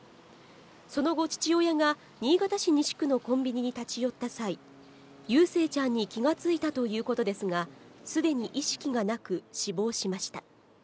その後、父親が新潟市西区のコンビニに立ち寄った際、祐誠ちゃんに気が付いたということですが、すでに意識がなく、死亡しました。